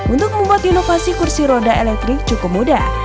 untuk membuat inovasi kursi roda elektrik cukup mudah